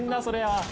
それは。